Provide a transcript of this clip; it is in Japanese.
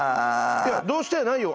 いやどうしたやないよ。